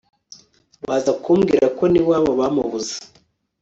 baza kumbwira ko n' iwabo bamubuze